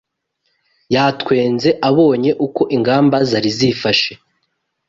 Yatwenze abonye uko ingamba zari zifashe.